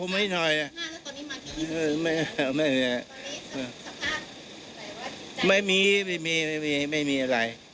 ไม่มีไม่มีอะไร